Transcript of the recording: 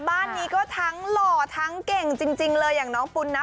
บ้านนี้ก็ทั้งหล่อทั้งเก่งจริงเลยอย่างน้องปุ่นนะ